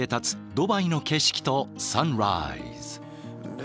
ドバイの景色とサンライズ。